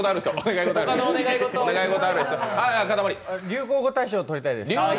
流行語大賞とりたいです。